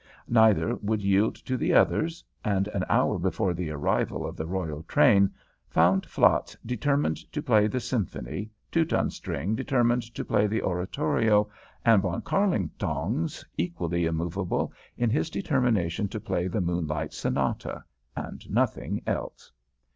Neither would yield to the others, and an hour before the arrival of the royal train found Flatz determined to play the Symphony, Teutonstring determined to play the Oratorio, and Von Kärlingtongs equally immovable in his determination to play the Moonlight Sonata, and nothing else.